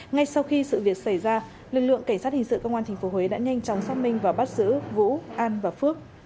ngay sau khi sự việc xảy ra lực lượng cảnh sát hình sự công an tp huế đã nhanh chóng xác minh và bắt giữ vũ an và phước